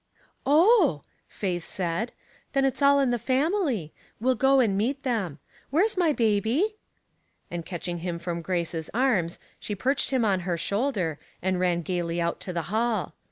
"Oh," Faith said, "then it's all in the family. We'll go and meet them. Where's my baby?" And catching him from Grace's arms, she perched him on her shoulder, and ran gayly out to the hall.